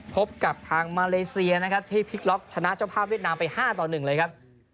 พบกับทางมาเลเซียนะครับที่พลิกล็อกชนะเจ้าภาพเวียดนามไป๕ต่อ๑เลยครับ